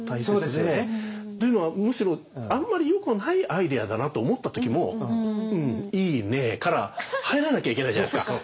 そうですよね。というのはむしろあんまりよくないアイデアだなと思った時も「うんいいね」から入らなきゃいけないじゃないですか。